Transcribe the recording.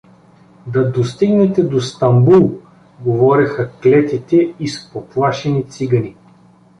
… Да достигнете до Стамбул — говореха клетите изпоплашени цигани.